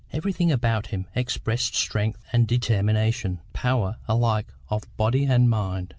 Everything about him expressed strength and determination, power alike of body and mind.